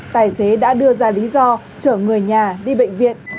tài xế đã đưa ra lý do chở người nhà đi bệnh viện